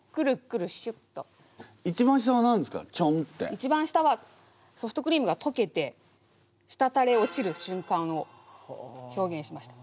一番下はソフトクリームがとけてしたたり落ちる瞬間を表現しました。